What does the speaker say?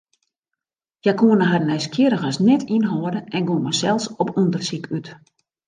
Hja koene harren nijsgjirrigens net ynhâlde en gongen sels op ûndersyk út.